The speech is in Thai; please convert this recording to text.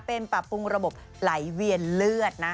เป็นปรับปรุงระบบไหลเวียนเลือดนะ